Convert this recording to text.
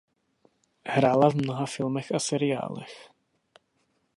Hrála v mnoha filmech a seriálech.